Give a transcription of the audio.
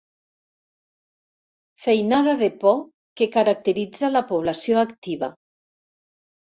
Feinada de por que caracteritza la població activa.